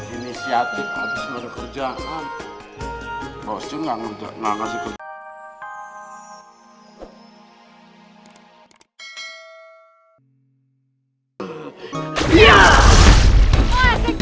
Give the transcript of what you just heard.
ini siatik harus bekerja bos juga nggak ngecek makasih